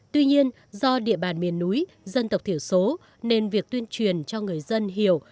tuy nhiên do địa bàn miền núi dân tộc thiểu số nên việc tuyên truyền cho người dân hiểu